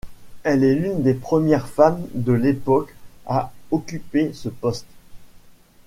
Elle est l'une des premières femmes de l'époque à occuper ce poste.